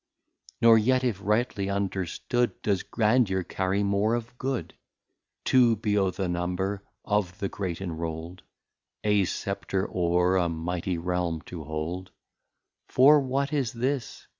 III. Nor yet, if rightly understood, Does Grandeur carry more of Good; To be o'th' Number of the Great enroll'd, A Scepter o're a Mighty Realm to hold. For what is this?